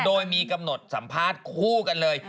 โดยมีกำหนดสัมภาษณ์คู่กันเลย